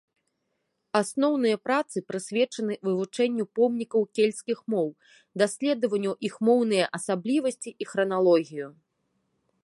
Асноўныя працы прысвечаны вывучэнню помнікаў кельцкіх моў, даследаванню іх моўныя асаблівасці і храналогію.